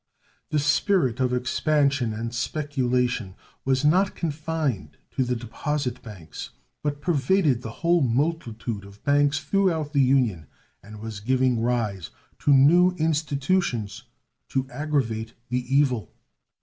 The spirit of expansion and speculation was not confined to the deposit banks, but pervaded the whole multitude of banks throughout the Union and was giving rise to new institutions to aggravate the evil.